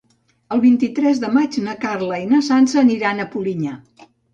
El vint-i-tres de maig na Carla i na Sança aniran a Polinyà.